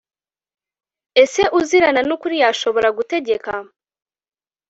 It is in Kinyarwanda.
ese uzirana n'ukuri yashobora gutegeka